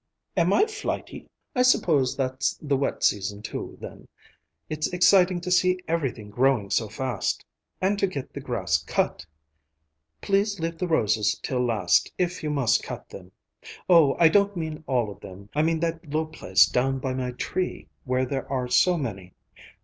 "Am I flighty? I suppose that's the wet season, too, then. It's exciting to see everything growing so fast,—and to get the grass cut! Please leave the roses till last, if you must cut them. Oh, I don't mean all of them, I mean that low place down by my tree, where there are so many.